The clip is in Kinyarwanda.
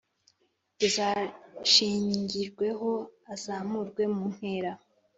rizashingirweho azamurwe mu ntera